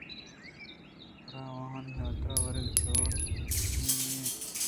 پرآوانی حاترا ورگ جوڑ کنگ ءَ اِنت